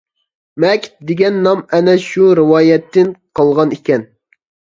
«مەكىت» دېگەن نام ئەنە شۇ رىۋايەتتىن قالغان ئىكەن.